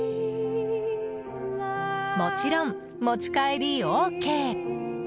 もちろん持ち帰りＯＫ。